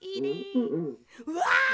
うわ！